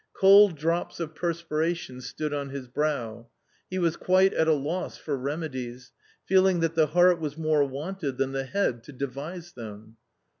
Xold drops of perspiration stood on his brow. He was quite at a loss for remedies, feeling that the heart was more wanted than the head to devise them.